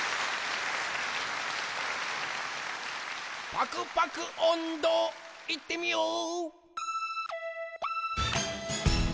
パクパクおんど、いってみよう！